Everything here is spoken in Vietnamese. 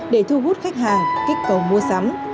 để thu hút khách hàng kích cầu mua sắm